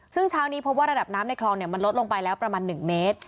ซึ่งเช้านี้พบว่าระดับน้ำในคลองมันลดลงไปแล้วประมาณ๑เมตร